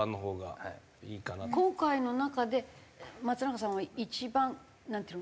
今回の中で松中さんが一番なんていうの？